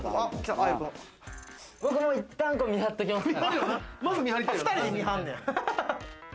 僕もいったん見張っておきます。